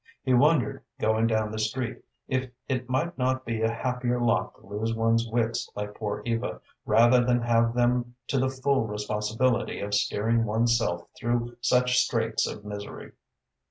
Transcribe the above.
He wondered, going down the street, if it might not be a happier lot to lose one's wits like poor Eva, rather than have them to the full responsibility of steering one's self through such straits of misery.